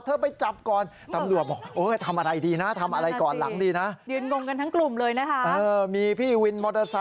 เธอไปจับก่อนตำรวจบอกทำอะไรดีนะ